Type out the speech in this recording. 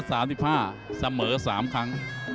เสมอ๓ครั้ง